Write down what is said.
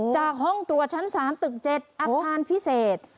จากห้องตรวจชั้น๓ตึก๗อาคารพิเศษ